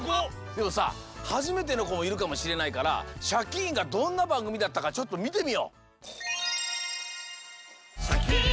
けどさはじめてのこもいるかもしれないから「シャキーン！」がどんなばんぐみだったかちょっとみてみよう。